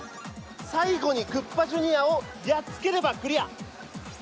最後にクッパＪｒ．をやっつければクリア！